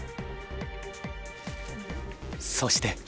そして。